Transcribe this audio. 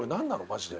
マジで。